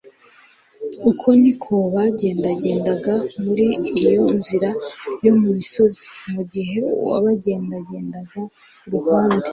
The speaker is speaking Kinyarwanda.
Uko ni ko bagendagendaga muri iyo nzira yo mu misozi mu gihe uwabagendaga iruhande